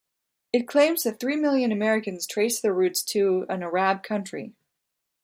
It claims that three million Americans trace their roots to an Arab country.